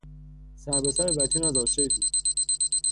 سر به سر بچه نذار، شیطون!